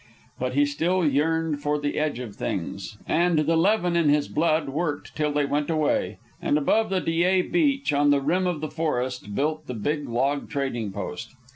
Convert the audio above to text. But he still yearned for the edge of things, and the leaven in his blood worked till they went away, and above the Dyea Beach, on the rim of the forest, built the big log trading post.